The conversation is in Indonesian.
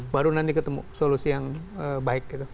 baru nanti ketemu solusi yang baik gitu